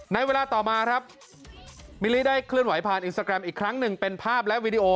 ในเวลาต่อมาครับมิลลี่ได้เคลื่อนไหวผ่านอินสตาแกรมอีกครั้งหนึ่งเป็นภาพและวีดีโอ